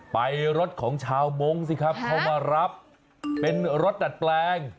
ไปรถของชาวมงค์สิครับเขามารับเป็นรถดัดแปลง